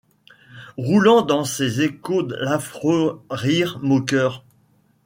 Roulant dans ses échos l’affreux rire moqueur